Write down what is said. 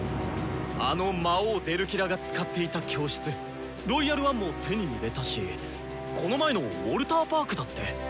あの魔王デルキラが使っていた教室「ロイヤル・ワン」も手に入れたしこの前のウォルターパークだって！